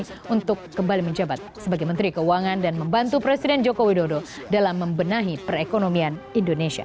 jokowi untuk kembali menjabat sebagai menteri keuangan dan membantu presiden joko widodo dalam membenahi perekonomian indonesia